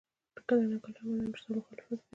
کله نا کله عملاً ورسره مخالفت کوي.